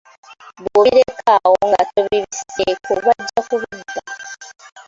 Bw'obireka awo nga tobibisseeko bajja ku bibba.